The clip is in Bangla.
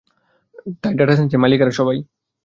তাই ডেটা সাইন্সের মালিক এরা সবাই।